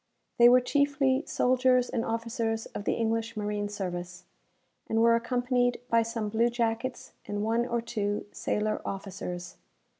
They were chiefly soldiers and officers of the English marine service, and were accompanied by some blue jackets and one or two sailor officers.